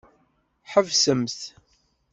Ḥebsem-t.